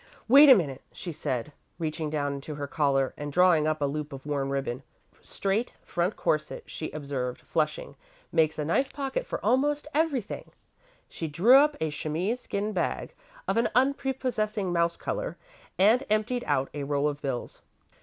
"Wait a minute," she said, reaching down into her collar and drawing up a loop of worn ribbon. "Straight front corset," she observed, flushing, "makes a nice pocket for almost everything." She drew up a chamois skin bag, of an unprepossessing mouse colour, and emptied out a roll of bills.